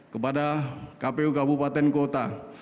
kepada kpu kabupaten kota